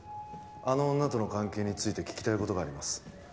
あの女との関係について聞きたいことがあります